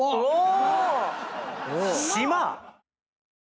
お！